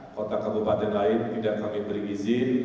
kota kabupaten lain tidak akan memberi izin